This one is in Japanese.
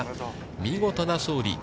見事な勝利。